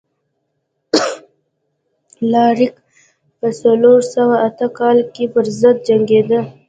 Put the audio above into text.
الاریک په څلور سوه اته کال کې پرضد جنګېده.